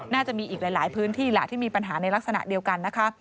น่าจะมีอีกหลายพื้นที่แหละที่มีปัญหาในลักษณะเดียวกันนะคะ